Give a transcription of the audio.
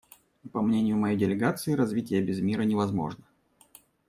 По мнению моей делегации, развитие без мира невозможно.